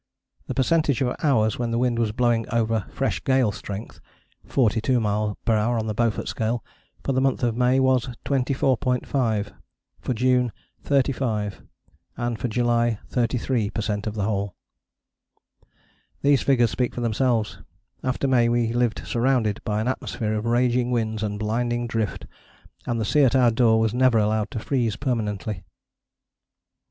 The percentage of hours when the wind was blowing over fresh gale strength (42 m.p.h. on the Beaufort scale) for the month of May was 24.5, for June 35, and for July 33 per cent of the whole. These figures speak for themselves: after May we lived surrounded by an atmosphere of raging winds and blinding drift, and the sea at our door was never allowed to freeze permanently.